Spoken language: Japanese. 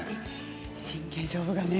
真剣勝負がね。